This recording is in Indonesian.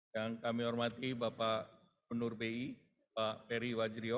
yang kami hormati bapak menur bi bapak ferry wajrio